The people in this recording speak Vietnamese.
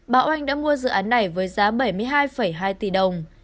báo oanh đã mua dự án này với giá bảy mươi hai hai tỷ đồng